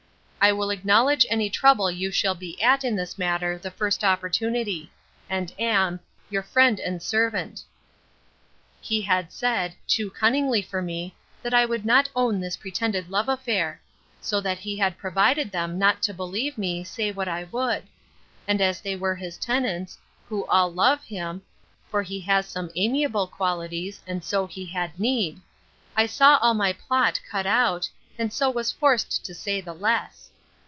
I will acknowledge any trouble you shall be at in this matter the first opportunity; and am 'Your Friend and Servant.' He had said, too cunningly for me, that I would not own this pretended love affair; so that he had provided them not to believe me, say what I would; and as they were his tenants, who all love him, (for he has some amiable qualities, and so he had need!) I saw all my plot cut out, and so was forced to say the less.